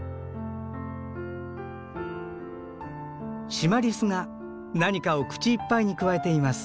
シマリスが何かを口いっぱいにくわえています。